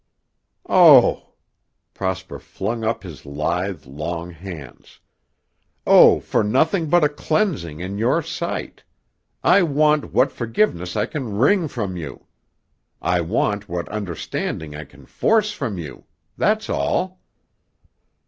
"Oh," Prosper flung up his lithe, long hands "oh, for nothing but a cleansing in your sight. I want what forgiveness I can wring from you. I want what understanding I can force from you. That's all."